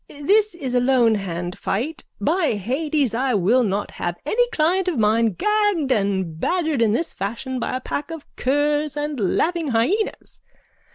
_ This is a lonehand fight. By Hades, I will not have any client of mine gagged and badgered in this fashion by a pack of curs and laughing hyenas.